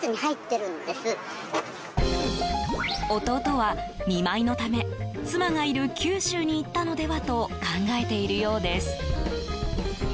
弟は見舞いのため妻がいる九州に行ったのではと考えているようです。